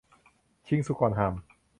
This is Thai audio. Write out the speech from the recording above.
ชิงสุกก่อนห่าม